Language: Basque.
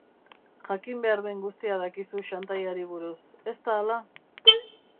Jakin behar den guztia dakizu xantaiari buruz, ez da hala?